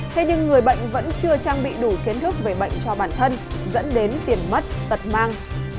thế nhưng người bệnh vẫn chưa trang bị đủ kiến thức về bệnh cho bản thân dẫn đến tiền mất tật mang